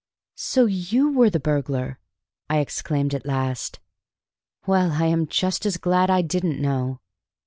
"So you were the burglar!" I exclaimed at last. "Well, I am just as glad I didn't know."